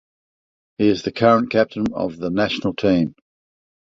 He is the current captain of the national team.